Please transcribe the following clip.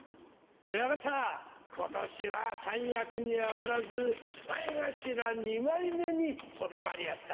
親方今年は三役に上がらず前頭２枚目にとどまりやした。